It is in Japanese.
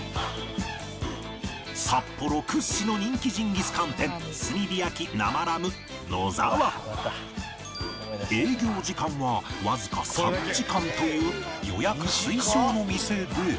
札幌屈指の人気ジンギスカン店営業時間はわずか３時間という予約推奨の店で